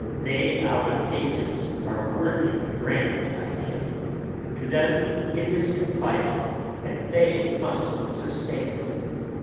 They out of ages are worthy the grand idea ... to them it is confided and they must sustain it.